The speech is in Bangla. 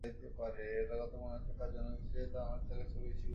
তাঁর কথায় মনে হয়েছে, তাঁর জন্মভূমির চেয়ে বাংলাদেশ তাঁর কাছে বেশি গুরুত্বপূর্ণ।